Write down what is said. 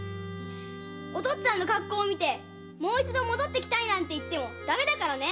お父っつぁんの格好を見てもう一度戻ってきたいなんて言ってもダメだからね！